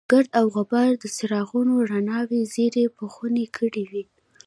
ګرد او غبار د څراغونو رڼاوې ژېړ بخونې کړې وې.